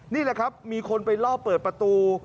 นี่แหละครับมีคนไปลอบเปิดประตู